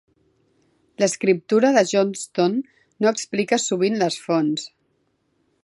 L'escriptura de Johnston no explica sovint les fonts.